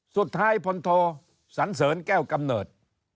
สุดท้ายพลโทสันเสริญแก้วกำเนิด